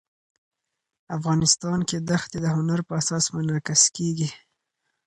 افغانستان کې دښتې د هنر په اثار کې منعکس کېږي.